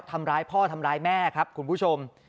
ทำร้ายพ่อทำร้ายแม่ครับคุณผู้ชม